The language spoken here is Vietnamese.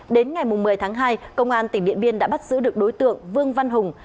đến ngày một mươi tháng hai công an tỉnh điện biên đã bắt giữ được đối tượng vương văn hùng